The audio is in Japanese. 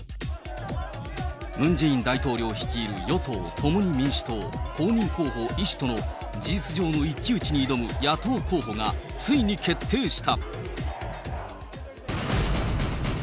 大統領率いる与党・共に民主党、公認候補医師との事実上の一騎打ちに挑む野党候補が、ついに決定した。